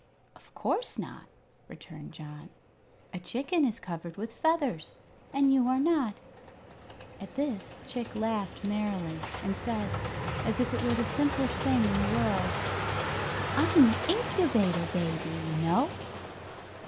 "Of course not," returned John. "A chicken is covered with feathers. And you are not." At this Chick laughed merrily, and said, as if it were the simplest thing in the world: "I'm the Incubator Baby, you know."